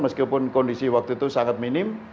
meskipun kondisi waktu itu sangat minim